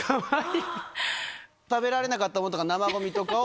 食べられなかったものとか、生ごみとかを。